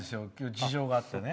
事情があってね。